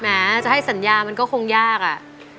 แม้จะให้สัญญามันก็คงยากอะ